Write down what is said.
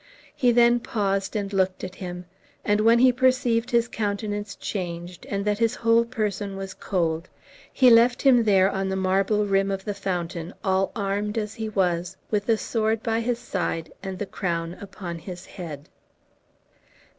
He then paused and looked at him; and when he perceived his countenance changed, and that his whole person was cold, he left him there on the marble rim of the fountain, all armed as he was, with the sword by his side, and the crown upon his head.